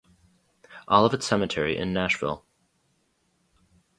Olivet Cemetery in Nashville.